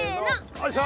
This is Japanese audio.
よいしょ。